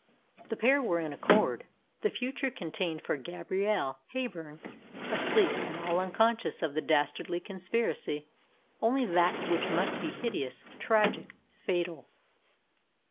The pair were in accord. The future contained for Gabrielle Heyburn asleep and all unconscious of the dastardly conspiracy only that which must be hideous, tragic, fatal.